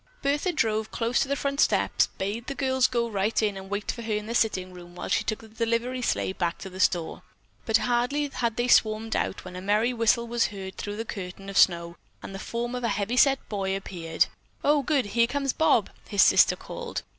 Bertha drove close to the front steps, bade the girls go right in and wait for her in the sitting room while she took the delivery sleigh back to the store, but hardly had they swarmed out when a merry whistle was heard through the curtain of snow and the form of a heavy set boy appeared. "Oh, good, here comes Bob!" his sister called.